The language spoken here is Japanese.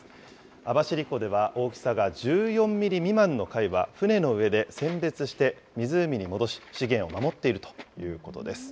網走湖では大きさが１４ミリ未満の貝は、船の上で選別して湖に戻し、資源を守っているということです。